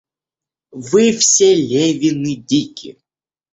Вы все Левины дики.